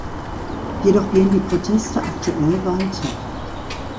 Jedoch gehen die Proteste aktuell weiter.